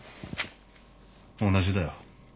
同じだよ。